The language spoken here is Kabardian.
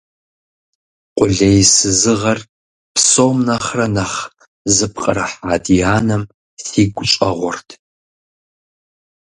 Къулейсызыгъэр псом нэхърэ нэхъ зыпкърыхьа ди анэм сигу щӀэгъурт.